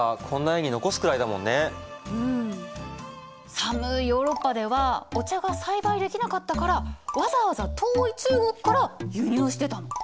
寒いヨーロッパではお茶が栽培できなかったからわざわざ遠い中国から輸入してたの。